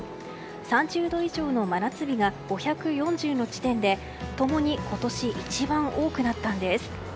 ３０度以上の真夏日が５４０の地点で共に今年一番多くなったんです。